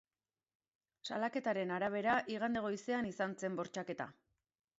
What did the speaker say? Salaketaren arabera, igande goizean izan zen bortxaketa.